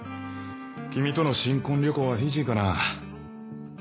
君との新婚旅行はフィジーかな。